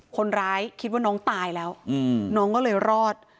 คิดว่าน้องตายแล้วน้องก็เลยรอด